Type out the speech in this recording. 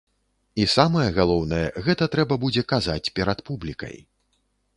І самае галоўнае, гэта трэба будзе казаць перад публікай.